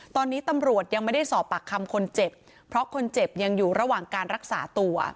ตอนนี้ตำรวจยังไม่ได้สอบปากคำคนเจ็บเพราะคนเจ็บยังอยู่ระหว่างการรักษาตัว